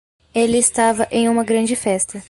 Ele estava em uma grande festa.